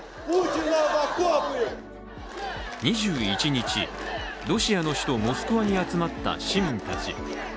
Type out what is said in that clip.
２１日、ロシアの首都モスクワに集まった市民たち。